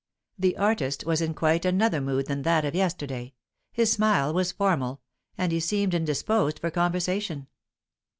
The artist was in quite another mood than that of yesterday; his smile was formal, and he seemed indisposed for conversation.